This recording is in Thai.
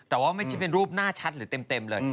แต่ว่าไม่ใช่เป็นรูปหน้าชัดหรือเต็มเลย